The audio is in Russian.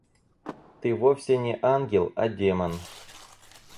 Ты вовсе не ангел, а демон.